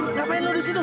ngapain lu disitu